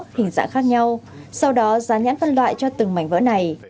hình dạng khác nhau sau đó dán nhãn phân loại cho từng mảnh vỡ này